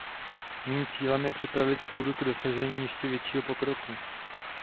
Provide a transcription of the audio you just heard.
Mým cílem je připravit půdu k dosažení ještě většího pokroku.